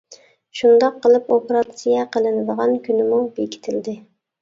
شۇنداق قىلىپ ئوپېراتسىيە قىلىنىدىغان كۈنىمۇ بېكىتىلدى.